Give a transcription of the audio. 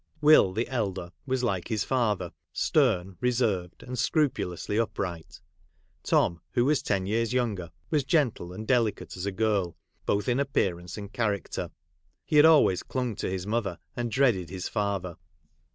Will, the elder, was like his father, stern, reserved, and scrupulously upright. Tom (who was ten years younger) was gentle and delicate as a girl, both in appearance and character. He had always clung to his mother, and dreaded his father.